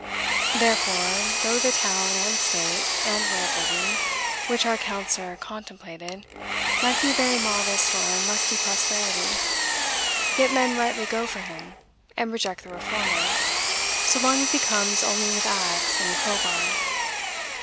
Therefore, though the town, and state, and way of living, which our counselor contemplated, might be a very modest or musty prosperity, yet men rightly go for him, and reject the reformer, so long as he comes only with axe and crowbar.